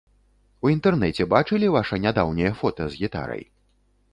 У інтэрнэце бачылі ваша нядаўняе фота з гітарай?